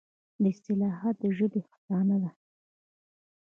دا اصطلاحات د ژبې خزانه ده.